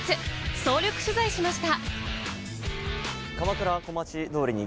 総力取材しました。